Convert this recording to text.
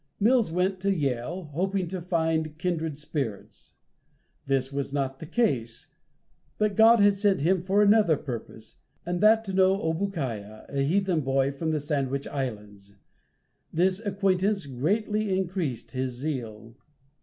Mills went to Yale, hoping there to find kindred spirits. This was not the case, but God had sent him for another purpose, and that to know Obookiah, a heathen boy from the Sandwich Islands. This acquaintance greatly increased his zeal.